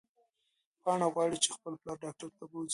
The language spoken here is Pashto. پاڼه غواړي چې خپل پلار ډاکټر ته بوځي.